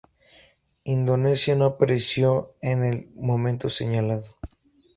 Indonesia no apareció en el momento señalado.